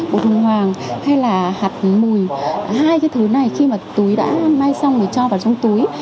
bột bùng hoàng hay là hạt mùi hai cái thứ này khi mà túi đã mai xong thì cho vào trong túi